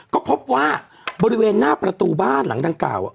ก็พบว่าบริเวณหน้าประตูบ้านหลังดังกล่าว